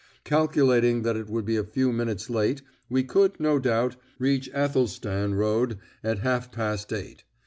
Calculating that it would be a few minutes late, we could, no doubt, reach Athelstan Road at half past eight.